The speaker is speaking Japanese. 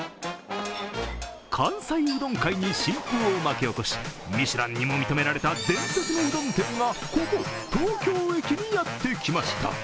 関西うどん界に新風を巻き起こしミシュランにも認められた伝説のうどん店がここ、東京駅にやってきました。